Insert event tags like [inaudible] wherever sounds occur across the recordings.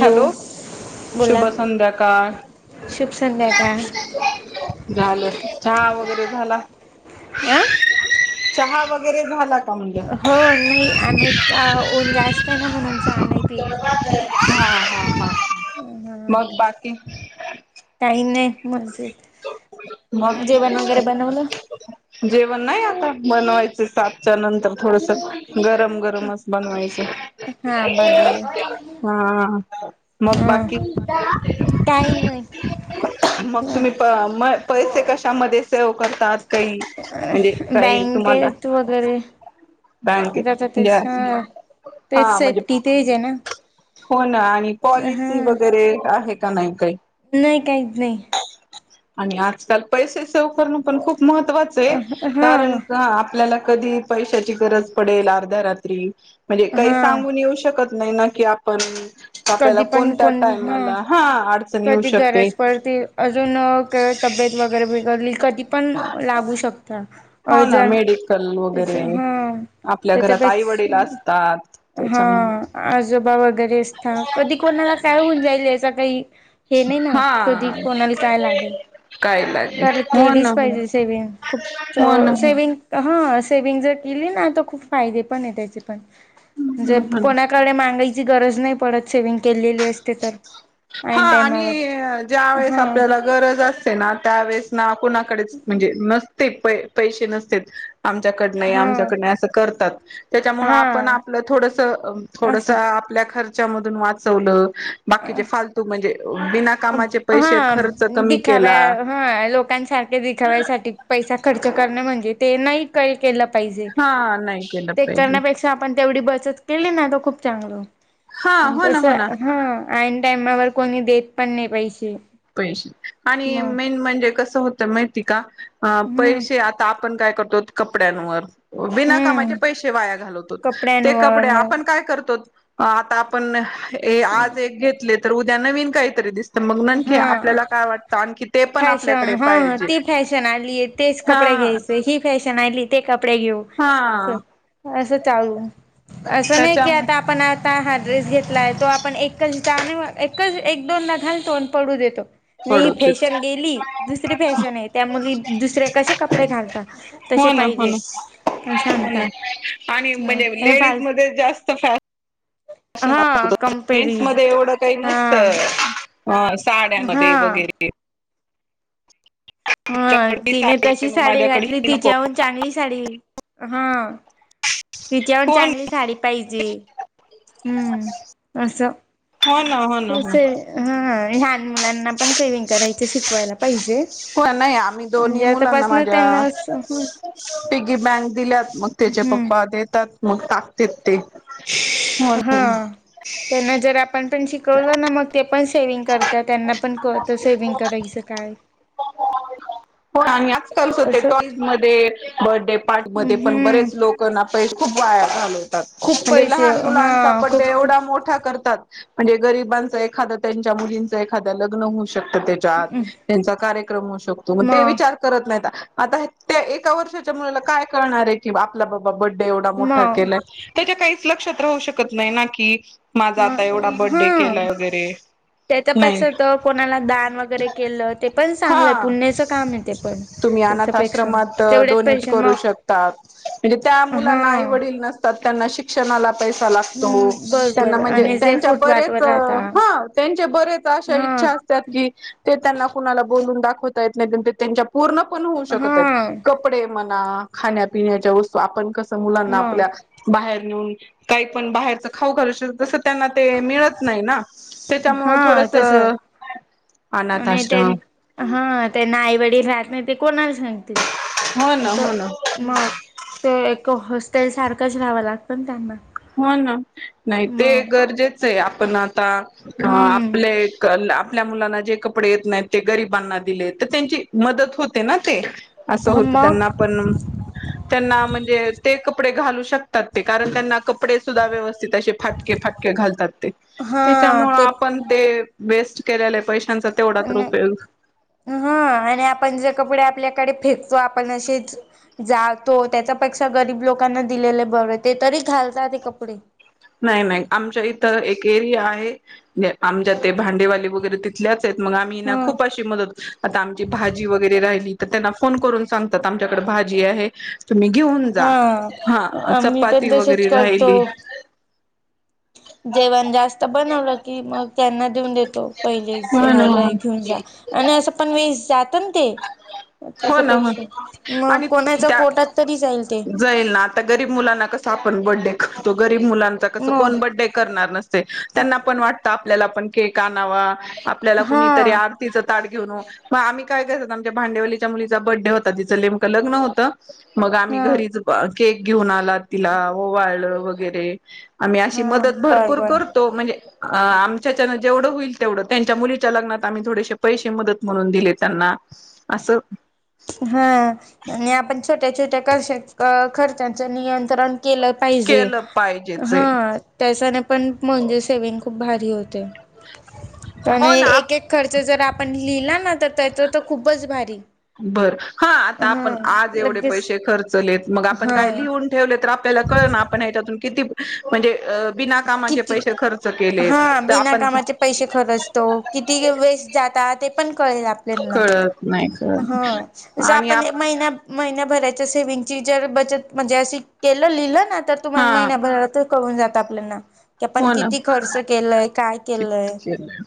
Hello, बोला शुभ संध्याकाळ. शुभ संध्याकाळ झालं चहा वगैरे झाला? आ चहा वगैरे झाला का म्हणलं हो नाही आम्ही आ ऊन जास्त हाय ना म्हणून चहा नाही पीत हा. हा हा. हा मग बाकी? काही नाही मजेत मग जेवण वगैरे बनवलं जेवण नाही आता बनवायचं? ते सातच्या नंतर थोडसं गरम गरमच बनवायचं. हा बरोबर आहे हा मग हा बाकी? काही नाही मग तुम्ही प म पैसे कशामध्ये असतात. सेव करतात काही म्हणजे काही तुम्हाला बँकेत वगैरे बँकेत आता म्हणजे तेच हा तेच हा म्हणजे सेफ्टी तेच ना हो ना आणि हा पॉलिसी वगैरे आहेत, का नाही काही? नाही काहीच नाही. आणि आजकाल पैसे सेव करण पण खूप महत्त्वाच आहे, हा कारण आपल्याला कधी पैशाची गरज पडेल अर्ध्या रात्री म्हणजे काही हा सांगून येऊ शकत. नाही. ना की आप पण आपल्याला कधी पण कोणत्या कोण टाइमाला हा येऊ कधी शकते गरज पडती अजून तब्येत वगैरे बिघडली कधी पण लागू शकतात. हो ना अर्जंट मेडिकल त्याच वगैरे हा आपल्या घरात आई त्याच्यापेक्ष वडील असतात हा त्याच्यामुळे आजोबा वगैरे असता कधी कोणाला काय होऊन जाईल या काही हे नाही ना कधी हा कोणाला काय लागेल, काय लागेल तर हो ना केलीच हो ना पाहिजे सेविन खूप हो से ह सेवि्हिंग जर केली ना तर खूप फायदे पण आहे त्याचे जे ना हो ना. कोणाकडे मागाय गरज नाही पडत सेविंग केलेली असते तर हा ऐन आणि टायमावर ज्या वेळेस हा आपल्याला गरज असते ना त्यावेेळेस ना े [unintelligible] ते प पैसे नसते. आमच्याकडनं हा आमच्याकडन असं करतात. ह त्याच्यामु आपण हा आपलं थोडसं थोडस असं आपल्या खर्च त्याच्याधून वाचवलं, बाकीचेे फलत हा कमी केला दिखाव्या हा लोकांसारख्या दिखाव्यासाठी पैसा खर्च करणे म्हणजे ते नाहीही काही केलं, पाहिजे हा नाही केलं ते पाहिजे करण्यापेक्षा आपण तेवढी बचत केली ना त खूप चांगल हा हो ना तस हो ना हा आईन टामवर कोणी देत प् पैसे. पैसे आणि मग मेन म्हणजे कसं होतं माहिती का. ह हम्म पैसे आता आपण काय करतो कपड्यांवर विना कामाचे हम्म पैसे वाया घालवतो ते कपड्यांवर कपडे मग आपण काय करतो. अ आता आपण ए आज एक घेतले. तर उद्या नवीण काहीतरी दिसत हा आपल्याला काय वाटतं आणखी पण आपल्याकडे फॅशन हा पाहिजे ती फॅशन आलीय तेच हा कपडे घ्यायच ही फॅशन आली. ते कपडे घेऊ हा अस चालू असं नाही त्याच्या की आता आपण हा ड्रेस घेतला आहे तो आपण एकच द एकच एक दोन दा घालतो पडू देतो. नाही पडत फेश गेली दुसरी फॅशन आहे त्या मुली दुसरे कसे कपडे घालता हो तसे ना हो पाहिजे ना हो सांगता ना आणि म्हणजे फ [unintelligible] सान्स मध्ये एवढं काही हा ना [unintelligible] साडया मध्ये हा वगैरे हा तुझ्याकडे तिने तशी मग साडी माझ्याकडे घातली ही नको तिच्याहून चांगली साडी हा तिच्यावर हो हो चांगली साडी पाहिजे हम्म तर ना ना हो हो सेव ह लहान मुलांना पण सेविंग करायचे शिकवायला पाहिजे हो नाही आम्ही दोन्ही म्हणजे आता मुलांना पर्सनल माझ्या त्यांना अस हम् पिगी बँक दिल्यात मग त्याचे पप्पा देतात मग टाकतेयत ते ह त्यांंना जर आप पण त्यांण शिकवलं ना मग ते पण सेविंग करतात त्यांना पण कळतं सेविंग करायचं काय आणि आजकालच होते असं टॉईज मध्ये बर्थडे पार्टीमध्ये पण हम्म बरेच लोक ना पैसे खूप वाया घालवतात. खूप म्हणजे पैसे लहान मुलांचा हा बर्थडे खूप एवढा मोठा करतात. म्हणजे गरिबांचा एखादं त्यांच्या मुलींच एखाद्या लग्न होउ शक्त त्याच्यात त्यांचा कार्यक्रम होऊ शकतो मग ते विचार करत नाही. आता ह् त्या एक एका वर्षाच्या मुलाला काय कळणार आहे. किंवा आपला म बड्डे एवढा मोठा मग केला त्याच्या काहीच लक्षात राहू शकत नाही ना की माझा आता मग एवढा बड्डे हा केलाय वगैरे नाही त्याच्यापेक्षा तर कोणाला दान वगैरे केलं ते पण चांगलंय हा पुनण्याच काम आहे ते पण तुम्ही अनाथ त्याच्यापेक्षा आश्रमात तेवढ्याच डोनेट पैसे करू शकतात. म्हणजे त्या मग हा मुलांना आई वडील नसतात त्यांना शिक्षणाला पैसा लागतो हम्म त्यांना बरोबर म्हणजे आणि जे त्यांच्या बरेच फुटपाथवर राहता ह त्यांचे बरेच अश्या हा इच्छा असतात की ते त्यांना कुणाला बोलून दाखवता येत नाही ते त्यांच्या पूर्ण पण होऊ हा शकत आहेत कपडे म्हणा आं खाण्या पिण्याच्या वस्तु आपण कस मुलांना आपल्या मग बाहेरच हं काही पण बाहेरच खाऊ घालशील तस त्यांना ते मिळत नाही ना त्याच्यामुळ हा थोडस तस अनाथ आणि आश्रम त्यां हा त्यांना आईवडील राहत नाही ते कोणाला सांगतील. हो ना त्याच हो ना. मग ते एक हस ते सारखंच रहावं लागतना त्यांना. हो ना नाही ते मग गरजेच आहे आपण आ आता हम्म आपले गन आता आपल्या मुलांना जे कपडे येत नाहीत ते गरीबांना दिले तर त्यांची मदत होते ना ते असं होत मग त्यांना पण त्यांना म्हणजे ते कपडे घालू शकतात ते कारण त्यांना कपडे सुधा व्यवस तीत असे फाटके फाटके घालतात ते हा त्यांच्यामुळ ते आपण ते वेस्ट केलेले पैसे हा आणि आपण जे कपडे आपल्या डे फेकतो आपण अ जातो त्याच्या पेक्षा गरीब लोकांना दिलेले बरे ते तरी घालता ते कपडे नाही नाही आमच्या इथं एक एरिया आहे आमच्या ते भांडेवाली वगैरे तिथल्याच मग आम्ही हम्म. खूप अशी मदत आता आमची भाजी वगैरे राहिली तर त्यांना फोन करून सांगतात आमच्याकडे भाजी आहे तुम्ही घेऊन जा हा मी पण चपाती तसच वगैरे करतो. राहिली जेवण जास तबनलं की मग त्यांना देऊन देतो पहि हो ना राहिल घेऊन जा आणि अस पण मी [unintelligible] हो ना हो मग आणि कोणाच्या त्या पोटात तरी जाईल ते. जाईल ना आता गरीब मुलांना कस आपण बर्डे तो गरीब मग ब कर त्यांण वा आपल्या के का नावा आपल्याला हा कुणीतरी आरतीच ताड घेऊन मग आम् काय करसतात आमच्या भांडेवलीच्या मुलीचा बर्थडे होता तिं नेमकं लगनतं मग आम्ही हा. घरीच केक घेऊन आला तिला व वाळ वगैरे आम्ही अशी हा मदत बर भरपूर बर. करतो म्हणजे आमच्यानं जेवढं होईल तेवढं त्यांच्या मुलीच्या लग्नात आम्ही थोडेसे पैसे मदत म्हणून दिले त्यांना असं हा आणि आपण छोट त्याचे त्या कर् खर्चाचं नियंत्रण पा केलं पाहिजेच ह आहे. त्या पण म्हणजेे खूप भारी होते प हो ना एक एक खर्च जर आप पण लिहिला ना तर त्या तर तर खूपच भारी बरं हा आता हा आपण आज एवढे लगेच पैसे खर्चलेत मग आपण हा काय लिहून ठेवले तर आपल्याला कळ ना आपण ह्याच्यातून किती म्हणजे अ बिना कामाचे किती पैसे खर्च केले हा तर बिना आपण कामाचे पैसे खरचतो किती वेस्ट जात ते कल आपल्या कळत नाही कळत नाही. ज आणि आपण आप महि महिन्याभराच्या सेविंगची जर बचत म्हणजे अशी केलं लिह तर हा तुम्हाला महिनाभरात कळून जात तापले ना हो ना केलंय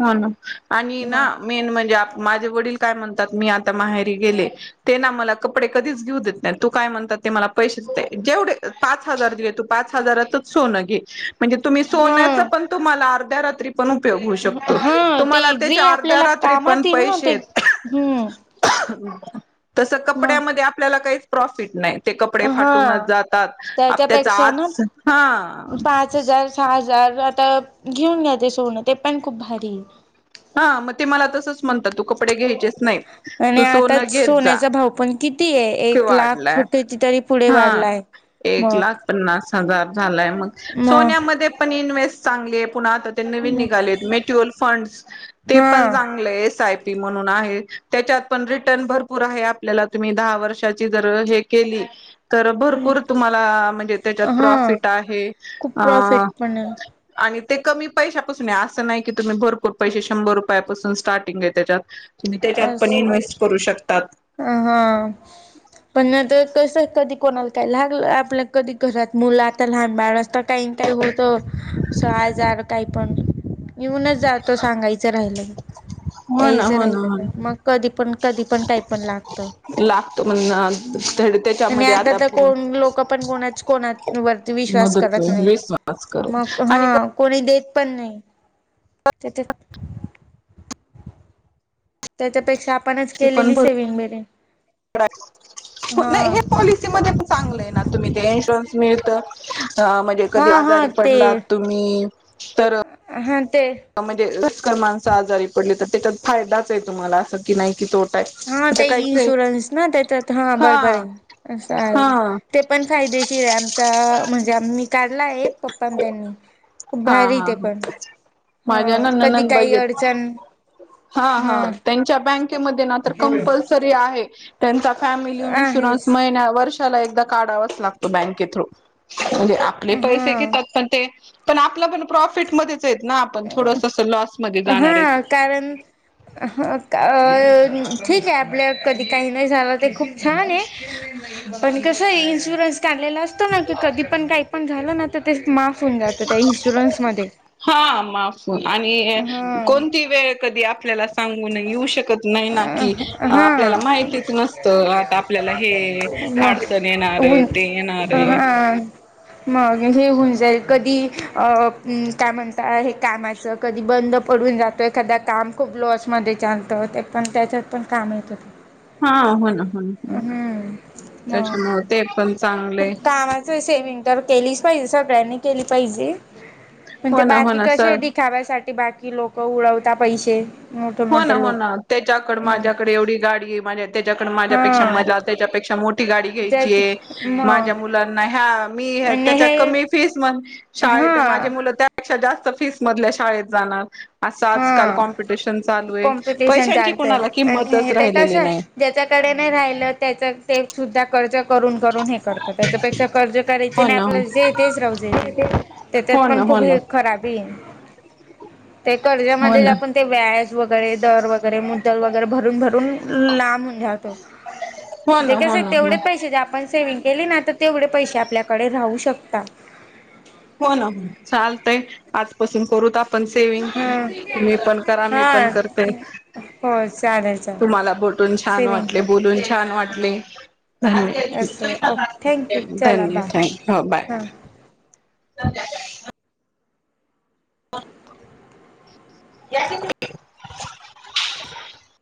हो ना आणि ना मग मेन म्हणजे आप- माझे वडील काय म्हणतात मी आता माहेरी गेले ते ना मला कपडे कधीच घेऊ देत नाही तू काय म्हणतात ते मला पैसे देत जेवढे पाच हजार दे तू पाच हजारातच सोनं घे- तुम्ही सोनयाच हा पण तुम्हाला अर्ध्या रात्री पण उपयोग होऊ शकतो हा ते तुम्हाला त्याच्या जे अर्ध्या आपल्याला रात्री पण कामात येईल ना ते पैसे. हम्म ह तसं मग कपड्यामध्ये आपल्याला काही- प्रॉफिट नाही. ते कपडे हा फाटूनच जातात आप त्याच त्याच्यापेक्षा ना आज हा-. पाच हजार हजार आता घेऊन घ्याचे सोनं ते पण खूप भारी. हा मग ते मला तसंच- म्हणतात तु कपडे घ्यायाच नाही आणि तू सोन आताच घेत जा सोन्याचा भाव पण किती आहे एक लाख वाढलाय कितीतरी पुढे हा वाढलाय. एक लाख मग पन्नास हजार झालाय म सोन्यामध्ये पण इन्व्हेस्ट. चांगले. पुन्हा आता ते नवीन म निघालेत म्युच्युअल फंड्स ते पण हा चांगलंय. एस आय पी म्हणून आहे त्याच्यात पण रिटर्न भरपूर आहे आपल्याला तुम्ही दहा वर्षाची जर हे केली. तर भरपूर तुम्हाला म्हणजे त्याच्यात हा प्रॉफिट आहे खूप प्रॉफिट पण आहे आणि- ते कमी पैशापासून आहे असं नाही की तुम्ही भरपूर- पैसे शंभर रुपयापासून स्टार्टिंग आहे त्याच्यात. तुम्ही त्याच्यात पण इन्व्हेस्ट करू शकतात. अ हा पण तर. कस कधी कोणाला काय लागलं आपल्या कधी घरात मुलं आता लहान बाळ असत काही काही होत अस आजार काही पण, येऊनच जातो सांगायचं राहिलं. हो ना याच हो ना राहिलं हो ना तर मग कधी पण कधी पण काय. लागतो म्हण आणि त्याच्यामध्ये आता तर कोण लोक पण कोण कोणाच्या वरती विश्वास मदत करत नाही विश्वास कर मग आणि हा कोणी देत- पण् नाही तिथ. त्याच्यापेक्षा. आपणच पण केलेली भर सेविंग बरी. हा नाही हे पॉलिसी मध्ये पण चांगलं आहे ना तुम्ही ते इन्शुरन्स- मिळत तर अ म्हणजे हा कधी हा आजारी ते पडलात तुम्ही तर. हा ते म्हणजे लषकर माणस आजारी पडले तर. त्याच्यात फायदाच आहे तुम्हाला असं की नाही की तो हा ते इन्शुरन्स ना त्याच्यात हा बरोबर आहे असं हा आहे हा ते पण फायदेशीर आहे आमचा. म्हणजे आ् मी काढला आहे एक पप्पा त्यांनी. खूप हा भारी ते ह पण हा माझ्या कधी नणंद बाई काही आहेत अडचण हा हा त्यांच्या बँक. कंपल्सरी आहे त्यांचा फॅमिली आहेच इन्शुरन्स. ला एकदा कार्डावाच लागतो बँके थ्रू. म्हणजे आपले पैसे हा घेतात पण ते. पण आपलं पण प्रॉफिटमध्येध्ये. ना आपण थोडस लॉस हा कारण अ ठीक आहे आपल्या कधी काही नाही झालं ते खूप छान आहे, पण कस आहे इन्शुरन्स काढलेला असतो ना की कधी पण काही पण झाल ना तर ते माफ फन जात त्या इन्शुरन्समध्येध्ये हा माफ आणि कोणती वेळ कधी आपल्याला सांगून येऊ शकत नाही ना कि, आपल्याला हा माहितीच नसत आता आपल्याला हे मग अडचण येणार आहे ऊन ते येणार आहे. हा मग हे होऊन जाईल कधी अ काय म्हणत हे कामाच कधी बंद पडून जातो एखादा काम खूप लॉस मध्ये चालत होते पण त्याच्यात पण काम येत होते. हा हो ना हो ना हम्म मग त्याच्यामुळे ते पण चांगले खूप कामाच सेम इंटर केलीच पाहिजे स टॅनी केली पाहिजे. म्हण ते हो ना हो बाकी ना कसे सर दि खाव्यासाठी बाकी लोक उडवता पैसे मोठे हो ना मोठे हो लोक ना त्याच्याकड मग माझ्याकडे एवढी गाडी माझ्या त्या जकडमा जपेक्षा हा मजा आच्यापेक्षा मोठा ती गाडी त्याच घ्यायचीय मग माझ्या मुलांना ह्या म आणि त्याच्या हे कमी फीस म्हण हा शाळेत माझे मुलं त्या जात फीसमधल्या शाळेत जाणार असं आजकाल हा कॉम्पिटिशन चालू आहे कॉम्पिटिशन पैशांची चालतय कुणाला किंमतच आणि ते कसं राहिलेली आहे नाही ज्याच्याकडे नाही राहिलं त्या ते दा कर्त करून करून हे करतात त्याच्यापेक्षा कर्ज करायचे हो आणि ना आपल्या जे तेच रावजायचे त्याच्यात हो ना पण हो खूप ना हे खराबी ते हो कर्जामध्ये ना आपण ते व्याज वगैरे दर वगैरे मुदल वगैरे भरून भरून लांबून वतो हो ते ना हो कस ना हो तेवढेच पैसे जे आपण सेविंग केले ना तर तेवढे पैसे आपल्याकडे राहू शकताात. हो ना हो चालतय आजपासून करू पण सेविंग हम्म तुम्ही पण करा मी पण हा करते, हो चालेल चालेल तुम्हाला बटून छान सेविंग वाट करा. बोलून छान वाटले असं ओके थँक्यू चला बाय धन्यथ बाय हां. सज या